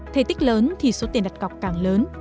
thể tích lớn thì số tiền đặt cọc càng lớn